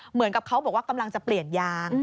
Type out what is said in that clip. เหมือนกับเขาบอกว่ากำลังจะเปลี่ยนยาง